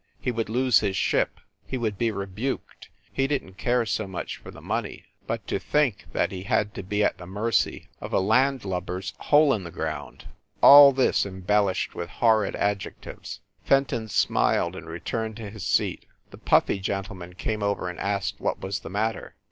He would lose his ship, he would be rebuked, he didn t care so much for the money, but to think that he had to be at the mercy of a landlubber s hole in the ground. All this em bellished with horrid adjectives. Fenton smiled and returned to his seat. The puffy gentleman came over and asked what was the matter.